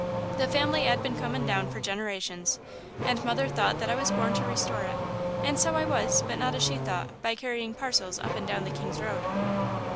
The family 'ad been coming down for generations, and mother thought that I was born to restore it; and so I was, but not as she thought, by carrying parcels up and down the King's Road."